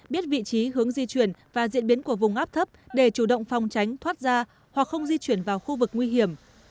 biết vị trí hướng di chuyển và diễn biến của vùng áp thấp để chủ động phòng tránh thoát ra hoặc không di chuyển vào khu vực nguy hiểm